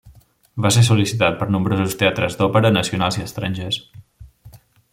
Va ser sol·licitat per nombrosos teatres d'òpera nacionals i estrangers.